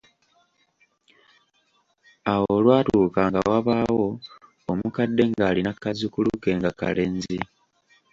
Awo olwatuuka nga wabaawo omukadde ng’alina kazzukulu ke nga kalenzi.